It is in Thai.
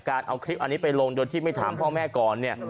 เอาคลิปอันนี้ไปลงโดยที่ไม่ถามพ่อแม่ก่อนเนี่ย